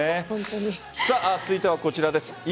続いてはこちらです。